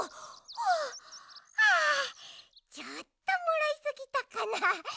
ちょっともらいすぎたかな。